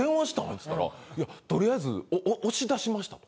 つったら「とりあえず押し出しました」と。